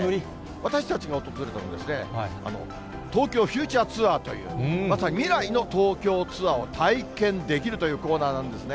私たちが訪れたのは、東京フューチャーツアーという、まさに未来の東京ツアーを体験できるというコーナーなんですね。